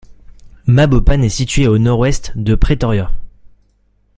Mabopane est situé au nord-ouest de Pretoria.